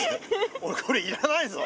俺これ要らないぞ。